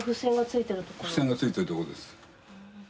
付箋が付いてるとこです。